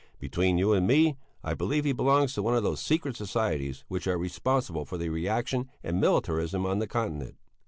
Between you and me I believe he belongs to one of those secret societies which are responsible for the reaction and militarism on the Continent.